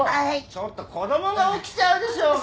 ちょっと子供が起きちゃうでしょうが！